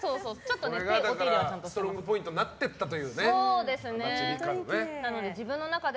ストロングポイントになっていったと。